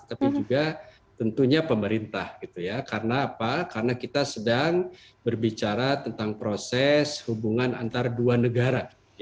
tapi juga tentunya pemerintah gitu ya karena apa karena kita sedang berbicara tentang proses hubungan antara dua negara